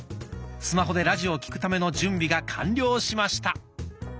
スマホでラジオを聴くための準備が完了しました。